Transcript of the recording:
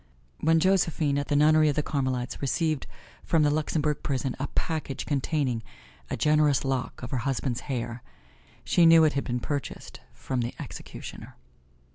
When Josephine at the nunnery of the Carmelites received from the Luxembourg prison a package containing a generous lock of her husband's hair, she knew it had been purchased from the executioner.